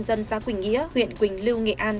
xã quỳnh nghĩa huyện quỳnh lưu nghệ an